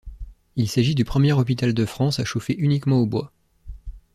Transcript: Il s'agit du premier hôpital de France à chauffer uniquement au bois.